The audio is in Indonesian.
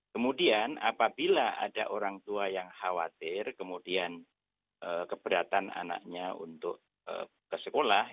kemudian apabila ada orang tua yang khawatir kemudian keberatan anaknya untuk ke sekolah